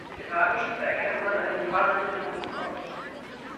Piratenschiffe erkennt man an den Fahnen mit Totenkopf.